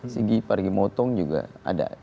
sigi pergi motong juga ada